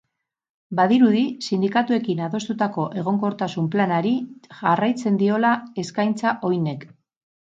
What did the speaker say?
Badirudi sindikatuekin adostutako egonkortasun planari jarraitzen diola eskaintza hoinek.